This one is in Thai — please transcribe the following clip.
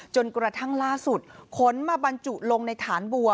จนกระทั่งล่าสุดขนมาบรรจุลงในฐานบัว